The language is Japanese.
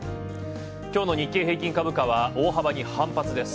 今日の日経平均株価は大幅に反発です。